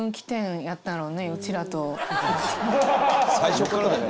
「最初からだよ」